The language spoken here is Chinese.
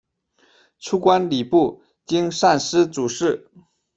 初官礼部精膳司主事。